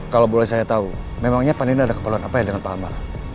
kalau boleh saya tahu memangnya pak nino ada kekualian apa ya dengan pak amar